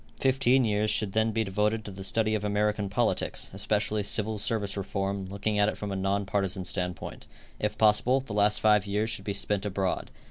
Fifteen years should then be devoted to the study of American politics, especially civil service reform, looking at it from a non partisan standpoint. If possible, the last five years should be spent abroad.